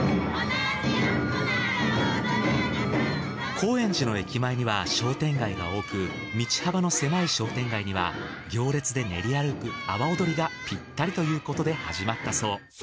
高円寺の駅前には商店街が多く道幅の狭い商店街には行列で練り歩く阿波おどりがピッタリということで始まったそう。